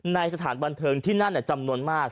สถานบันเทิงที่นั่นจำนวนมาก